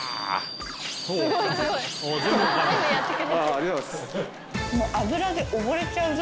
ありがとうございます。